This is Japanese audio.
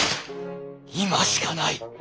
今しかない。